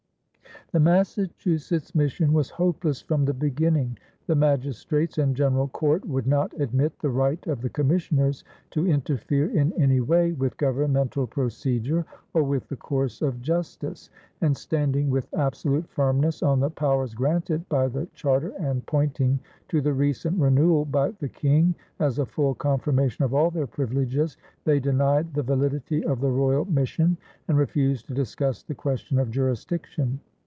The Massachusetts mission was hopeless from the beginning. The magistrates and general court would not admit the right of the commissioners to interfere in any way with governmental procedure or with the course of justice; and standing with absolute firmness on the powers granted by the charter and pointing to the recent renewal by the King as a full confirmation of all their privileges, they denied the validity of the royal mission and refused to discuss the question of jurisdiction.